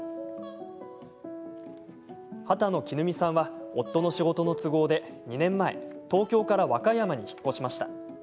畑野衣見さんは夫の仕事の都合で、２年前東京から和歌山に引っ越しました。